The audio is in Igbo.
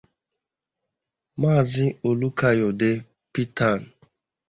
Maazị Olukayode Pitan